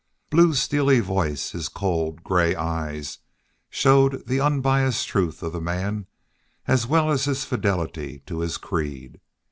Blue's steely voice, his cold, gray eyes, showed the unbiased truth of the man, as well as his fidelity to his creed.